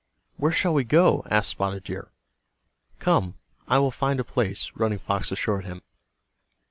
"Where shall we go?" asked Spotted Deer. "Come, I will find a place," Running Fox assured him.